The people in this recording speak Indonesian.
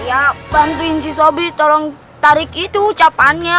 ya bantuin si sobri tolong tarik itu ucapannya